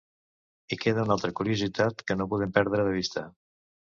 I queda una altra curiositat que no podem perdre de vista.